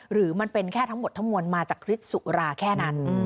หรือมันเป็นแค่ทั้งหมดทั้งมวลมาจากคริสต์สุราแค่นั้น